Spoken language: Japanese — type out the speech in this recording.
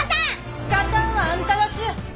・すかたんはあんただす。